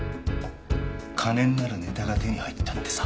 金になるネタが手に入っちゃってさ。